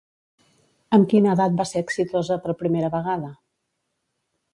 Amb quina edat va ser exitosa per primera vegada?